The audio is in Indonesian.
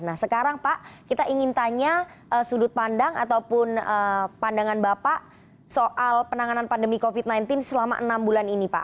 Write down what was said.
nah sekarang pak kita ingin tanya sudut pandang ataupun pandangan bapak soal penanganan pandemi covid sembilan belas selama enam bulan ini pak